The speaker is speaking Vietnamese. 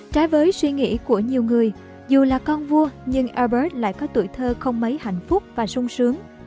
trái với suy nghĩ của nhiều người dù là con vua nhưng aubret lại có tuổi thơ không mấy hạnh phúc và sung sướng